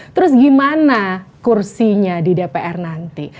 terus gimana kursinya di dpr nanti